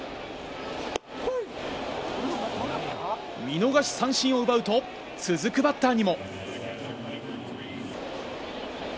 見逃し三振を奪うと、続くバッターにも。